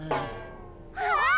あっ！